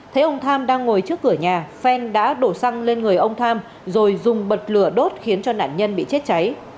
thấy ông tham đang ngồi trước cửa nhà phen đã đổ xăng lên người ông tham rồi dùng bật lửa đốt khiến cho nạn nhân bị chết cháy